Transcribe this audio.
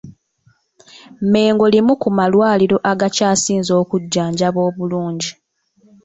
Mengo limu ku malwaliro agakyasinze okujjanjaba obulungi.